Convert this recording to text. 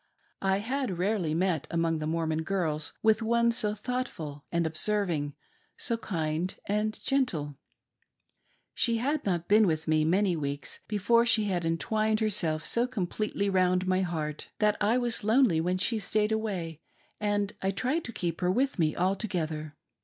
I had rarely met among the Mormon girls with one so thoughtful and observ ing, so kind and gentle. She had not been with me many weeks before she had entwined herself so completely round my heart that I was lonely when she stayed away and I tried to keep her with me altogether.